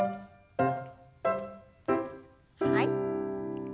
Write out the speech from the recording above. はい。